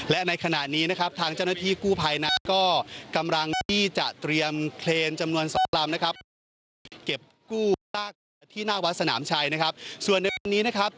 และในขณะนี้นะครับทางเจ้าหน้าที่กู้ไภนะครับ